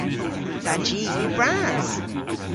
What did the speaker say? Dha ji yw bras!